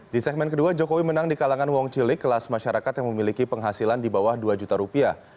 di segmen kedua jokowi menang di kalangan wong cilik kelas masyarakat yang memiliki penghasilan di bawah dua juta rupiah